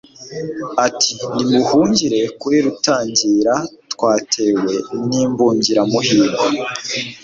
Ati: Nimuhungire kuli Rutangira twatewe n'Imbungiramihigo,